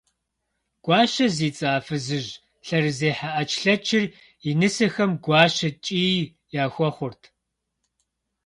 Гуащэ зи цӏэ а фызыжь лъэрызехьэ ӏэчлъэчыр, и нысэхэм гуащэ ткӏий яхуэхъурт.